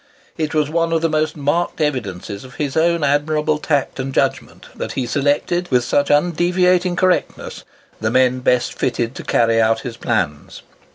It was one of the most marked evidences of his own admirable tact and judgment that he selected, with such undeviating correctness, the men best fitted to carry out his plans.